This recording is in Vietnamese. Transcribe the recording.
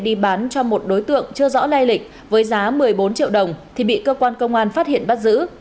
đi bán cho một đối tượng chưa rõ lai lịch với giá một mươi bốn triệu đồng thì bị cơ quan công an phát hiện bắt giữ